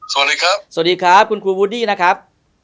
สวัสดีครับสวัสดีครับคุณครูวูดดี้นะครับ